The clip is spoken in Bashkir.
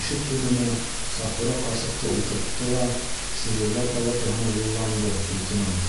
Ишек төбөнә Сафура ҡарсыҡты ултыртты ла сирлеләр палатаһына юлланды лейтенант.